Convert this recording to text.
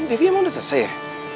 devi emang udah selesai ya